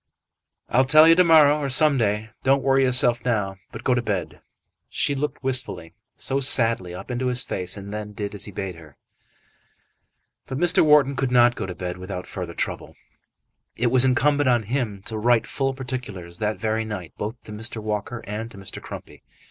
"I'll tell you to morrow, or some day. Don't worry yourself now, but go to bed." She looked wistfully, so sadly, up into his face, and then did as he bade her. But Mr. Wharton could not go to bed without further trouble. It was incumbent on him to write full particulars that very night both to Mr. Walker and to Mr. Crumpy.